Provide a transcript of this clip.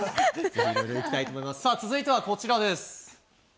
続いてはこちらです。